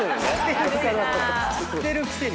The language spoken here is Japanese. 知ってるくせに。